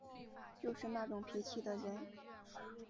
就是那种脾气的人